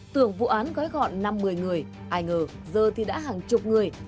tưởng vụ án gói gọn năm một mươi người ai ngờ giờ thì đã hàng chục người